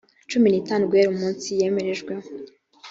cumi n itanu guhera umunsi yemerejweho